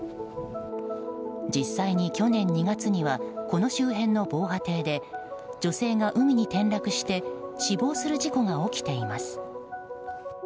実際に去年２月にはこの周辺の防波堤で女性が海に転落して死亡する事故が起きています。